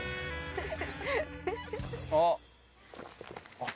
あっ。